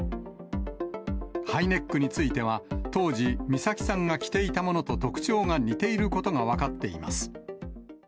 ハイネックについては、当時、美咲さんが着ていたものと特徴が似ていることが分かっています。